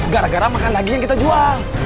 gara gara makan lagi yang kita jual